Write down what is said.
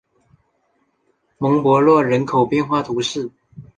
蒙博洛人口变化图示